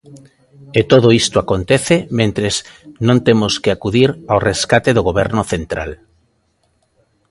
E todo isto acontece mentres "non temos que acudir ao rescate do Goberno central".